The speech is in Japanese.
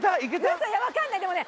ウソ分かんないでもね